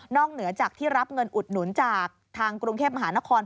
เหนือจากที่รับเงินอุดหนุนจากทางกรุงเทพมหานคร